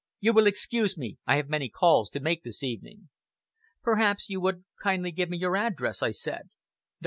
You will excuse me! I have many calls to make this evening." "Perhaps you would kindly give me your address," I said. "Dr.